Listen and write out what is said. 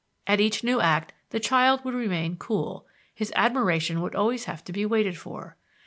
At each new act the child would remain cool, his admiration would always have to be waited for.